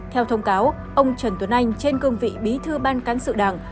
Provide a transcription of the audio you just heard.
theo thông cáo ông trần tuấn anh trên cương vị bí thư ban cán sự đảng